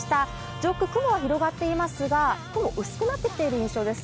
上空、雲は広がっていますが、雲、薄くなってきている印象です。